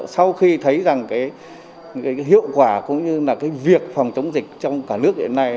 sau khi thấy rằng cái hiệu quả cũng như là cái việc phòng chống dịch trong cả nước hiện nay